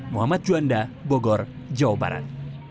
muhammad juanda bogor jawa barat